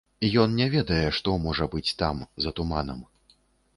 Ён не ведае, што можа быць там, за туманам.